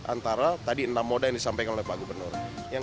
antara tadi enam moda yang disampaikan oleh pak gubernur